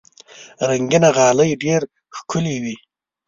رنګینه غالۍ ډېر ښکلي وي.